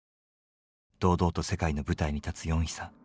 堂々と世界の舞台に立つヨンヒさん。